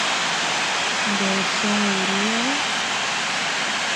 Ndɛ cɔŋ wur wɛ ?